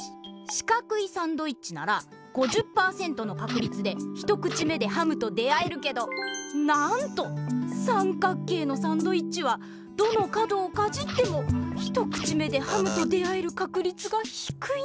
しかくいサンドイッチなら５０％のかくりつで一口目でハムと出会えるけどなんとさんかく形のサンドイッチはどの角をかじっても一口目でハムと出会えるかくりつがひくいんだ。